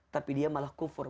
tapi dia malah kupur